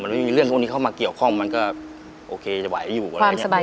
ไม่มีเรื่องพวกนี้เข้ามาเกี่ยวข้องมันก็โอเคจะไหวอยู่อะไรอย่างนี้